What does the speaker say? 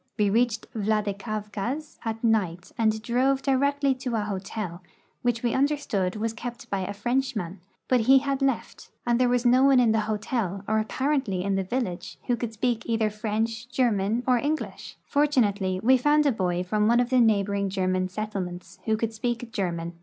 M'e reached Vladikavkaz at night and drove direct!}^ to a hotel which we understood was kept by a Frenchman, but he had left, and there was no one in the hotel, or apparently in the vil lage, who could speak either French, German, or English. For tunately we found a l)oy from one of the neighboring German settlements who could speak German.